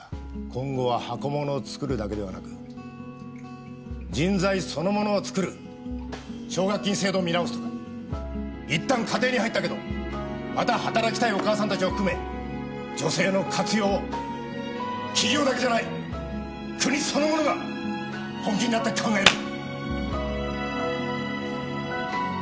今後はハコものを作るだけではなく人材そのものを作る奨学金制度を見直すとかいったん家庭に入ったけどまた働きたいお母さんたちを含め女性の活用を企業だけじゃない国そのものが本気になって考える！